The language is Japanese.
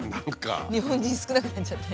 日本人少なくなっちゃって。